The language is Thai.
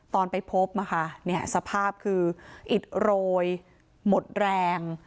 ตอนไปพบสภาพคืออิดโรยหมดแรง